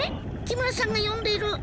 木村さんが呼んでいる。